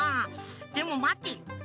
でもまてよ。